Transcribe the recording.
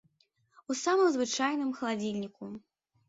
У самым звычайным халадзільніку!